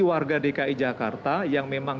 warga dki jakarta yang memang